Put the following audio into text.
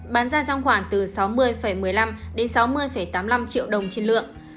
bán ra trong khoảng từ sáu mươi một mươi năm đến sáu mươi tám mươi năm triệu đồng trên lượng